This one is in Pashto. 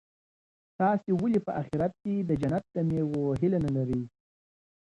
تاسي ولي په اخیرت کي د جنت د مېوو هیله نه لرئ؟